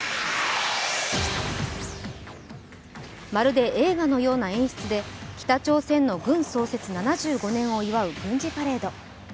まるで映画のような演出で北朝鮮の軍創設７５年を祝う軍事パレード。